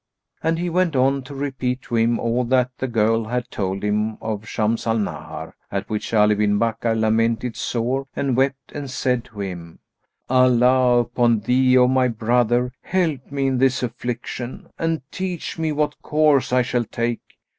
And he went on to repeat to him all that the girl had told him of Shams al Nahar; at which Ali bin Bakkar lamented sore and wept and said to him, "Allah upon thee, O my brother, help me in this affliction and teach me what course I shall take.